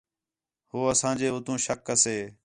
ہو اساں جے اُتّوں شَک کسے